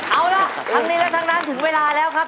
เอาล่ะทั้งนี้และทั้งนั้นถึงเวลาแล้วครับ